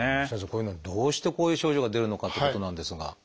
先生どうしてこういう症状が出るのかっていうことなんですが。